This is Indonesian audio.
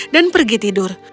dan pergi tidur